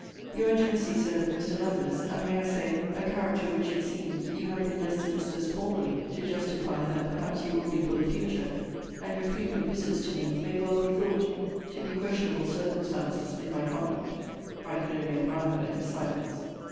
Your intimacy, Sir, with Mr. Lovelace, and (may I say?) a character which, it seems, you have been less solicitous formerly to justify than perhaps you will be for the future, and your frequent visits to me may well be thought to be questionable circumstances in my conduct. I could only admire her in silence.